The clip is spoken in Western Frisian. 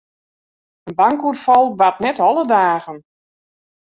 In bankoerfal bart net alle dagen.